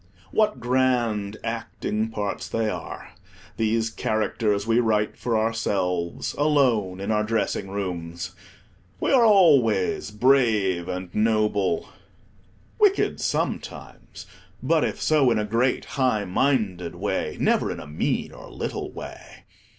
What grand acting parts they are, these characters we write for ourselves alone in our dressing rooms. We are always brave and noble—wicked sometimes, but if so, in a great, high minded way; never in a mean or little way.